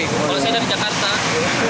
kalau saya dari jakarta